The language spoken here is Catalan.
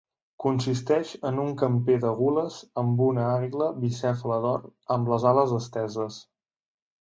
Consisteix en un camper de gules amb una àguila bicèfala d'or, amb les ales esteses.